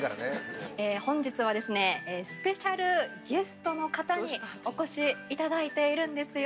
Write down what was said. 本日は、スペシャルゲストの方にお越しいただいているんですよ。